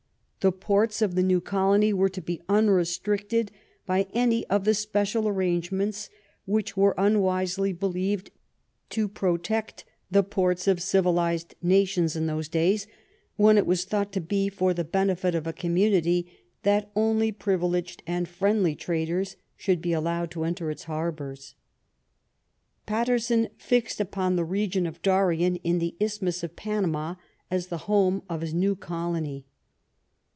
The ports of the new colony were to be unrestricted by any of the special arrangements which were un wisely believed to protect the ports of civilized nations in those days, when it was thought to be for the benefit of a conmiunity that only privileged and friendly traders should be allowed to enter its harbors. Pater son fixed upon the region of Darien, in the isthmus of Panama, as the home of his new colony.